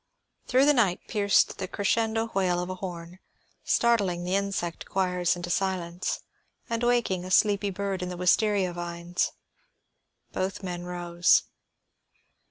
Through the night air pierced the crescendo wail of a horn, startling the insect choirs into silence and waking a sleepy bird in the wistaria vines. Both men rose.